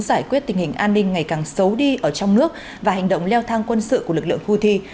giải quyết tình hình an ninh ngày càng xấu đi ở trong nước và hành động leo thang quân sự của lực lượng houthi